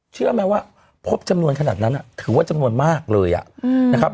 เชื่อไหมว่าพบจำนวนขนาดนั้นถือว่าจำนวนมากเลยนะครับ